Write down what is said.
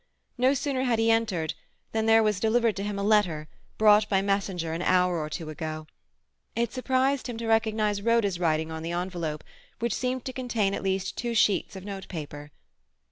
No sooner had he entered than there was delivered to him a letter, brought by messenger an hour or two ago. It surprised him to recognize Rhoda's writing on the envelope, which seemed to contain at least two sheets of notepaper.